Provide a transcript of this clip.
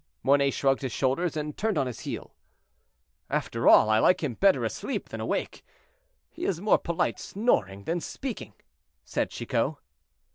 Mornay shrugged his shoulders and turned on his heel. "After all, I like him better asleep than awake; he is more polite snoring than speaking," said Chicot.